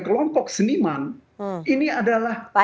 kukok seniman ini adalah